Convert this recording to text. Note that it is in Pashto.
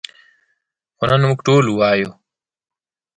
خو نن موږ ټول وایو.